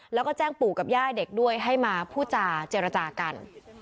แล้วก็แจ้งปู่กับย่าเด็กด้วยให้มาพูดจาเจรจากัน